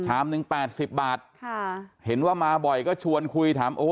หนึ่งแปดสิบบาทค่ะเห็นว่ามาบ่อยก็ชวนคุยถามโอ้